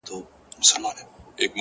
زما ټول ځان نن ستا وه ښكلي مخته سرټيټوي،